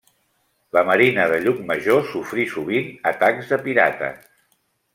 La marina de Llucmajor sofrí sovint atacs de pirates.